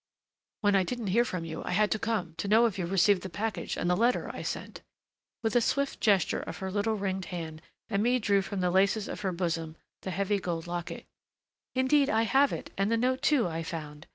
"When I didn't hear from you I had to come, to know if you received the package and letter I sent " With a swift gesture of her little ringed hand Aimée drew from the laces on her bosom that heavy gold locket. "Indeed I have it and the note, too, I found.